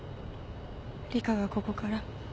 理香がここから。